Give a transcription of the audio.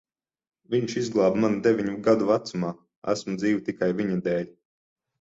Viņš izglāba mani deviņu gadu vecumā. Esmu dzīva tikai viņa dēļ.